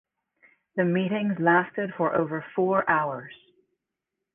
The meetings lasted for over four hours.